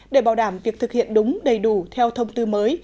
để bảo đảm việc thực hiện đúng đầy đủ theo thông tư mới